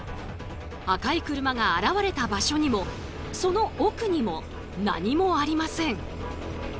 赤い車が現れた場所にもその奥にも何もありません。